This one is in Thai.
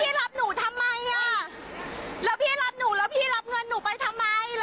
หนูได้ตัวมาแล้วหนูก็จ่ายเงิน